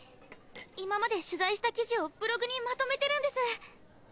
今まで取材した記事をブログにまとめてるんです。